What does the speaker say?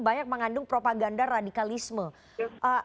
banyak mengandung propaganda radikalisme